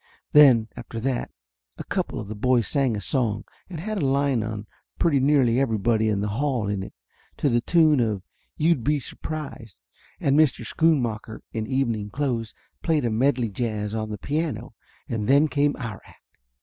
Then after that a couple of the boys sang a song that had a line on pretty nearly everybody in the hall in it, to the tune of You'd be Surprised, and Mr. Schoon macker, in evening clothes, played A Medley Jazz on the piano, and then came our act.